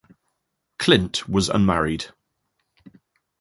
Clint was unmarried.